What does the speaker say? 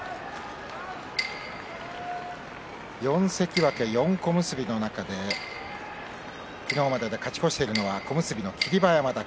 ４関脇４小結の中で昨日までで勝ち越しているのは小結の霧馬山だけ。